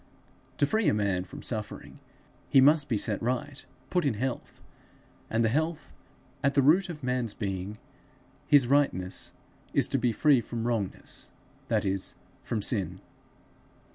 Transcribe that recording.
To free a man from suffering, he must be set right, put in health; and the health at the root of man's being, his rightness, is to be free from wrongness, that is, from sin.